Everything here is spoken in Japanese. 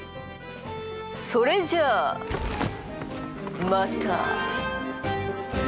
それじゃあまた！